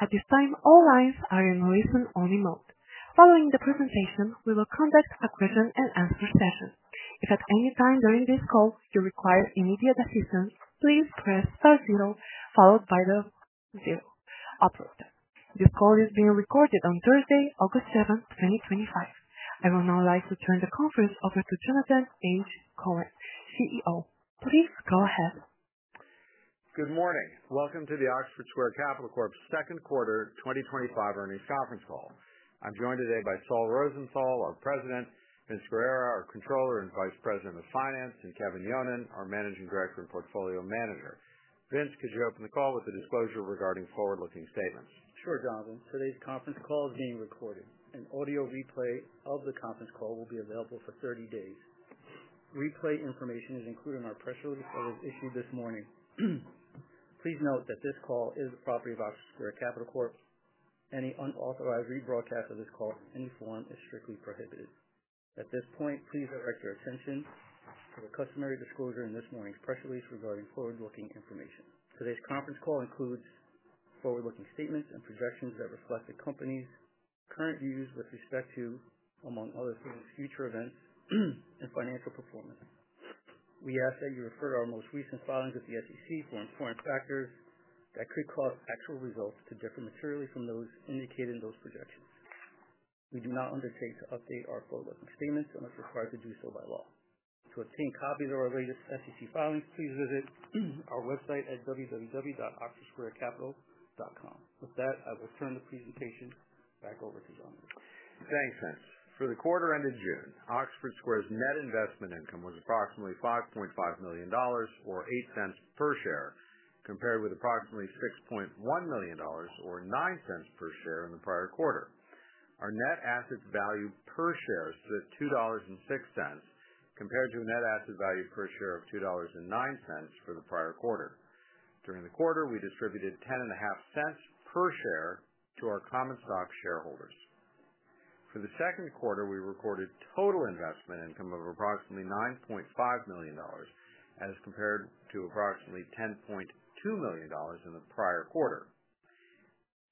At this time, all lines are in listen-only mode. Following the presentation, we will conduct a question-and-answer session. If at any time during this call you require immediate assistance, please press star signal followed by zero. This call is being recorded on Thursday, August 7, 2025. I will now like to turn the conference over to Jonathan H. Cohen, CEO. Please go ahead. Good morning. Welcome to the Oxford Square Capital Corp. Second Quarter 2025 Earnings Conference Call. I'm joined today by Saul Rosenthal, our President, Vince Ferrara, our Controller and Vice President of Finance, and Kevin Yonon, our Managing Director and Portfolio Manager. Vince, could you open the call with a disclosure regarding forward-looking statements? Sure, Jonathan. Today's conference call is being recorded. An audio replay of the conference call will be available for 30 days. Replay information is included in our press release that was issued this morning. Please note that this call is the property of Oxford Square Capital Corp. Any unauthorized rebroadcast of this call in any form is strictly prohibited. At this point, please direct your attention to the customary disclosure in this morning's press release regarding forward-looking information. Today's conference call includes forward-looking statements and projections that reflect the company's current views with respect to, among other things, future events and financial performance. We ask that you refer to our most recent filings at the SEC for important factors that could cause actual results to differ materially from those indicated in those projections. We do not undertake to update our forward-looking statements unless required to do so by law. To obain copies of our latest SEC filings, please visit our website at www.oxfordsquarecapital.com. With that, I will turn the presentation back over to you, Jonathan. Thanks, Vince. For the quarter end of June, Oxford Square's net investment income was approximately $5.5 million or $0.08 per share, compared with approximately $6.1 million or $0.09 per share in the prior quarter. Our net asset value per share stood at $2.06, compared to a net asset value per share of $2.09 for the prior quarter. During the quarter, we distributed $0.105 per share to our common stock shareholders. For the second quarter, we recorded total investment income of approximately $9.5 million as compared to approximately $10.2 million in the prior quarter.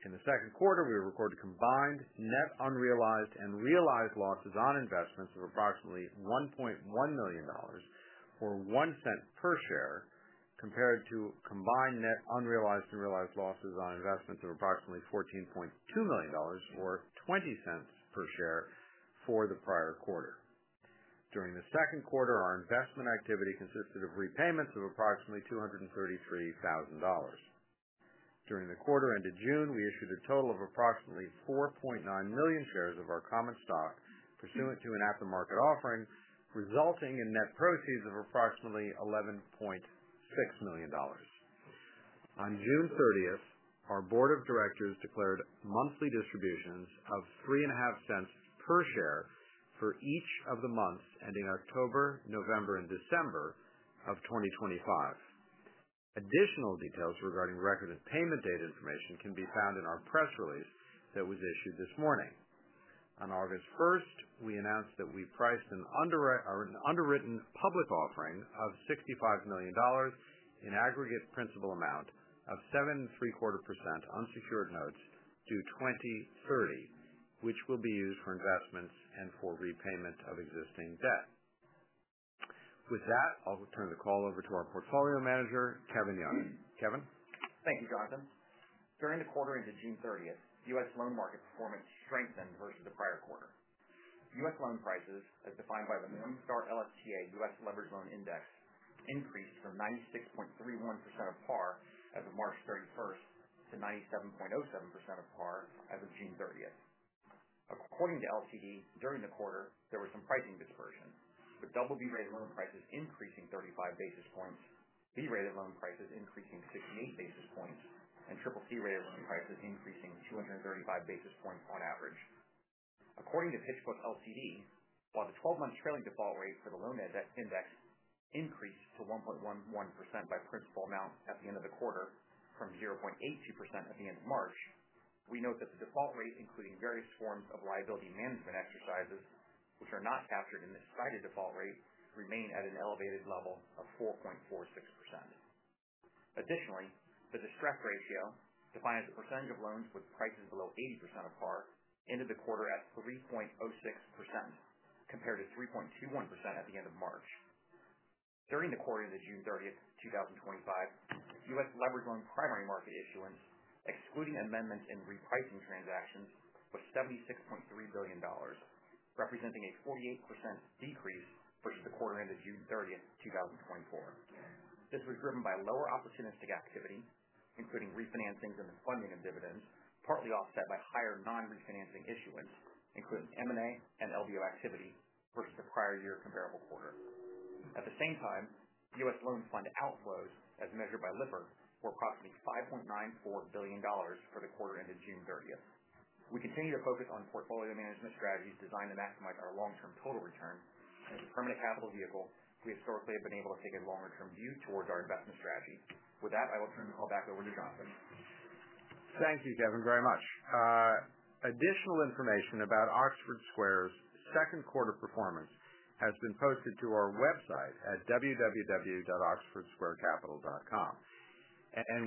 In the second quarter, we recorded combined net unrealized and realized losses on investments of approximately $1.1 million or $0.01 per share, compared to combined net unrealized and realized losses on investments of approximately $14.2 million or $0.20 per share for the prior quarter. During the second quarter, our investment activity consisted of repayments of approximately $233,000. During the quarter end of June, we issued a total of approximately 4.9 million shares of our common stock pursuant to an aftermarket offering, resulting in net proceeds of approximately $11.6 million. On June 30, our Board of Directors declared monthly distributions of $0.035 per share for each of the months ending October, November, and December of 2025. Additional details regarding record and payment date information can be found in our press release that was issued this morning. On August 1, we announced that we priced an underwritten public offering of $65 million in aggregate principal amount of 7.75% unsecured notes due 2030, which will be used for investments and for repayment of existing debt. With that, I'll turn the call over to our Portfolio Manager, Kevin Yonon. Kevin? Thank you, Jonathan. During the quarter ended June 30th, the U.S. loan market performance strengthened versus the prior quarter. U.S. loan prices, as defined by the Morningstar LSTA U.S. Leveraged Loan Index, increased from 96.31% of par as of March 31st to 97.07% of par as of June 30th. According to LCD, during the quarter, there was some pricing dispersion, with Double B rated loan prices increasing 35 basis points, B rated loan prices increasing 68 basis points, and CCC rated loan prices increasing 235 basis points on average. According to PitchBook LCD, while the 12-month trailing default rate for the loan index increased to 1.11% by principal amount at the end of the quarter from 0.82% at the end of March, we note that the default rate, including various forms of liability management exercises, which are not factored in the cited default rate, remains at an elevated level of 4.46%. Additionally, the distress ratio, defined as a percentage of loans with prices below 80% of par, ended the quarter at 3.06% compared to 3.21% at the end of March. During the quarter ended June 30th, 2024, U.S. leveraged loan primary market issuance, excluding amendments and repricing transactions, was $76.3 billion, representing a 48% decrease versus the quarter ended June 30th, 2023. This was driven by lower opportunistic activity, including refinancings and the funding of dividends, partly offset by higher non-refinancing issuance, including M&A and LBO activity versus the prior year comparable quarters. At the same time, U.S. loan fund outflows, as measured by Lipper, were approximately $5.94 billion for the quarter ended June 30th. We continue to focus on portfolio management strategies designed to maximize our long-term total return and, as a capital vehicle, have historically been able to take a longer-term view towards our investment strategy. With that, I will turn the call back over to Jonathan. Thank you, Kevin, very much. Additional information about Oxford Square's second quarter performance has been posted to our website at www.oxfordsquarecapital.com.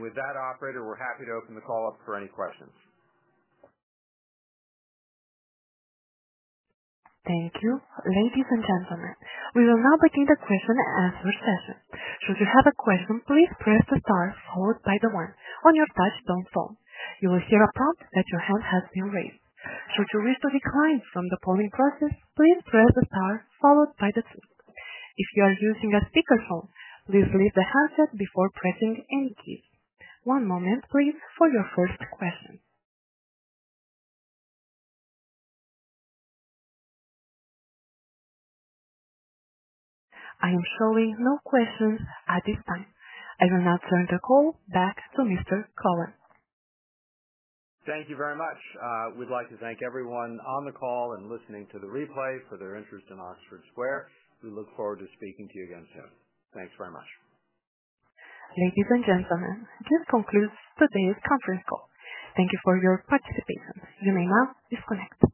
With that, operator, we're happy to open the call up for any questions. Thank you. Thank you, Jonathan. We will now begin the question and answering session. Should you have a question, please press the star followed by the one on your touch-tone phone. You will hear a prompt that your phone has been recognized. Should you wish to decline from the polling process, please press the star followed by the two. If you are using a speakerphone, please lift the handset before pressing entry. One moment, please, for your first question. I am showing no questions at this time. I will now turn the call back to Mr. Cohen. Thank you very much. We'd like to thank everyone on the call and listening to the replay for their interest in Oxford Square Capital Corp. We look forward to speaking to you again soon. Thanks very much. Ladies and gentlemen, this concludes today's conference call. Thank you for your participation. You are now disconnected.